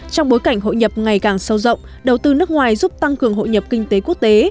trong bối cảnh hội nhập ngày càng sâu rộng đầu tư nước ngoài giúp tăng cường hội nhập kinh tế quốc tế